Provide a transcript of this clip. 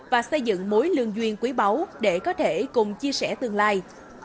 và xây dựng mối lương duyên quý báu để có thể cùng chia sẻ tương lai